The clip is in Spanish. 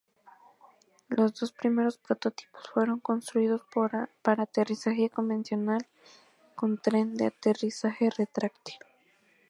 Los dos primeros prototipos fueron construidos para aterrizaje convencional con tren de aterrizaje retráctil.